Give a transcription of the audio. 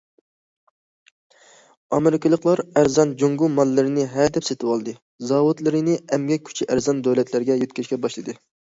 ئامېرىكىلىقلار ئەرزان جۇڭگو ماللىرىنى ھە دەپ سېتىۋالدى، زاۋۇتلىرىنى ئەمگەك كۈچى ئەرزان دۆلەتلەرگە يۆتكەشكە باشلىدى.